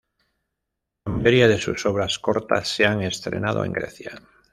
La mayoría de sus obras cortas se han estrenado en Grecia.